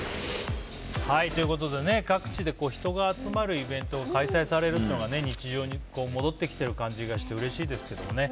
各地で人が集まるイベントが開催されるのは日常に戻ってきている感じがしてうれしいですけどね。